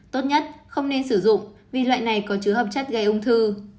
tốt nhất không nên sử dụng vì loại này có chứa hợp chất gây ung thư